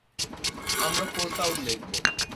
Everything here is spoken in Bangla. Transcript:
আমরা ফোরটাউন দেখব।